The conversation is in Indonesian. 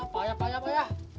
payah payah payah